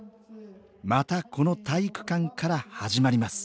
またこの体育館から始まります